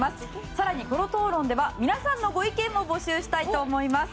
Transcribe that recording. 更に、この討論では皆さんのご意見も募集したいと思います。